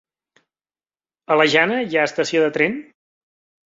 A la Jana hi ha estació de tren?